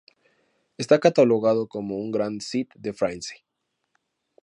Está catalogado como un Grand site de France.